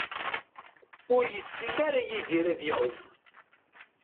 Ur yessin ara Yidir ad iɛumm.